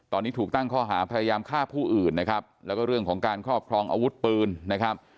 ตอนนี้ถูกตั้งข้อหาพยายามฆ่าผู้อื่นนะครับแล้วก็เรื่องของการครอบครองอาวุธปืนนะครับ